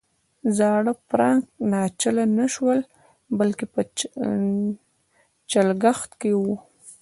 زاړه فرانک ناچله نه شول بلکې په چلښت کې وو.